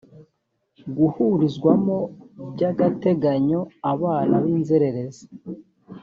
guhurizwamo by agateganyo abana b inzererezi